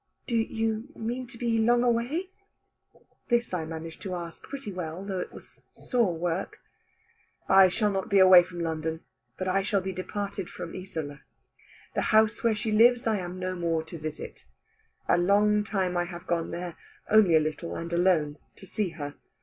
"Do you mean to be long away?" This I managed to ask pretty well, though it was sore work. "I shall not be away from London, but I shall be departed from Isola. The house where she lives I am no more to visit. A long time I have gone there only a little, and alone to see her.